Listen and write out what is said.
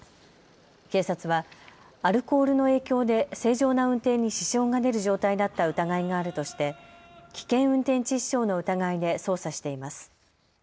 警察はアルコールの影響で正常な運転に支障が出る状態だった疑いがあるとして危険運転致死傷の疑いで捜査しています。